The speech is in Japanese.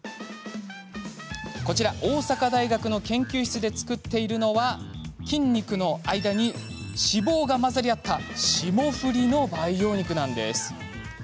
こちら、大阪大学の研究室で作っているのは筋肉の間に脂肪が混ざり合った霜降りの培養肉なんです。